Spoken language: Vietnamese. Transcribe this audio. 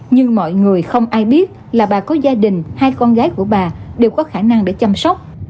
nhưng mọi người không ai biết là bà có gia đình hai con gái của bà đều có khả năng để chăm sóc